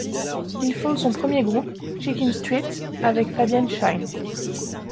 Il fonde son premier groupe, Shakin' Street, avec Fabienne Shine.